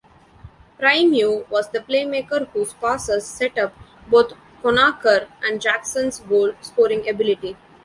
Primeau was the playmaker whose passes set up both Conacher and Jackson's goal-scoring ability.